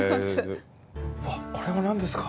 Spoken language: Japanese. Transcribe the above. わっこれは何ですか？